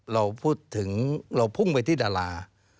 เราพูดถึงเราพุ่งไปที่ดารา